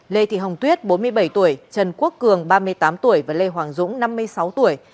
lê thị hồng tuyết bốn mươi bảy tuổi trần quốc cường ba mươi tám tuổi và lê hoàng dũng năm mươi sáu tuổi